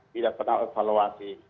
tidak pernah evaluasi